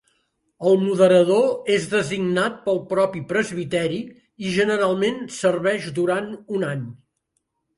El moderador és designat pel propi presbiteri i generalment serveix durant un any.